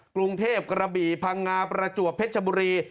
กรุงเทพกระบี่พังงาประจวบเพชรบุรี